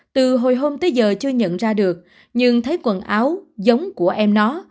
từ hồi hôm tới giờ chưa nhận ra được nhưng thấy quần áo giống của em nó